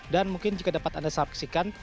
dan mungkin jika dapat anda saksikan